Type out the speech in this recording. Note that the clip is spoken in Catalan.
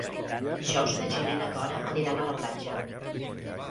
Dijous na Gina i na Cora aniran a la platja.